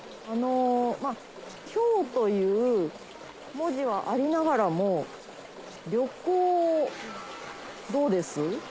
まぁ「凶」という文字はありながらも「旅行」どうです？